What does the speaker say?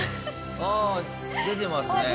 ああ出てますね。